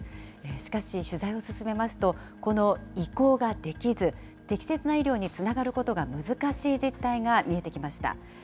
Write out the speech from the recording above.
しかし、取材を進めますと、この移行ができず、適切な医療につながることが難しい実態が見えてきました。